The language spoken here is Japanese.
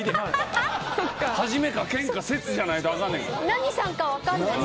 何さんか分かんない。